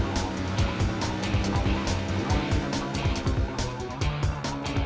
pak kembaliannya belum